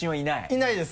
いないですね。